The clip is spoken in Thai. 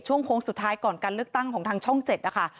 โค้งสุดท้ายก่อนการเลือกตั้งของทางช่อง๗นะคะ